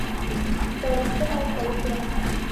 سپارښتنه ورته وکړم.